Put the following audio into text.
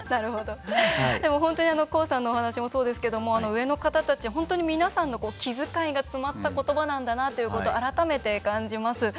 本当にＫＯＯさんのお話もそうですけども上の方たち、本当に皆さんの気遣いが詰まった言葉なんだなということを改めて感じます。